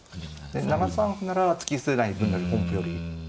７三歩なら突き捨てないでとにかく本譜より。